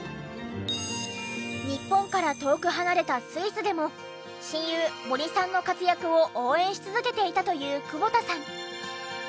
日本から遠く離れたスイスでも親友森さんの活躍を応援し続けていたという久保田さん。